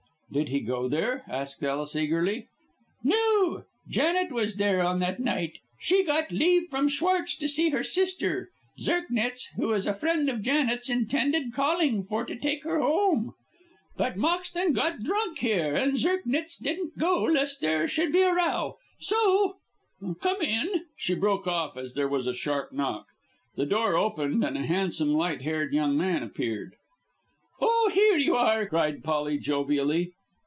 "Did he go there?" asked Ellis, eagerly. "No. Janet was there on that night. She got leave from Schwartz to see her sister. Zirknitz, who is a friend of Janet's, intended calling for her to take her home, but Moxton got drunk here, and Zirknitz didn't go lest there should be a row. So come in." She broke off as there was a sharp knock. The door opened, and a handsome, light haired young man appeared. "Oh! here you are," cried Polly, jovially.